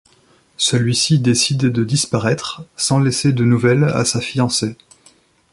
Celui-ci décide de disparaître, sans laisser de nouvelles à sa fiancée.